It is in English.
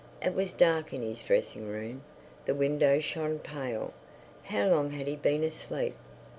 It was dark in his dressing room; the window shone pale. How long had he been asleep?